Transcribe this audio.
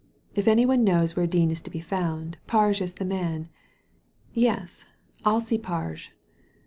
If any one knows where Dean is to be found, Parge is the man. Yes, I'll see Parge."